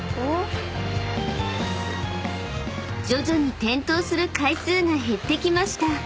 ［徐々に転倒する回数が減ってきました］